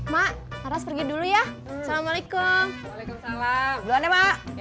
mak harus pergi dulu ya assalamualaikum waalaikumsalam